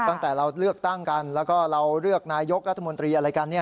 ตั้งแต่เราเลือกตั้งกันแล้วก็เราเลือกนายกรัฐมนตรีอะไรกัน